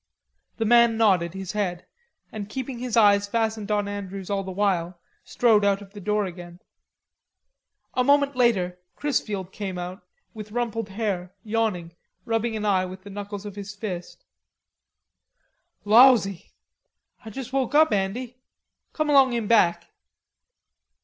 The man nodded his head, and keeping his eyes fastened on Andrews all the while, strode out of the door again. A moment later, Chrisfield came out, with rumpled hair, yawning, rubbing an eye with the knuckles of one fist. "Lawsie, Ah juss woke up, Andy. Come along in back."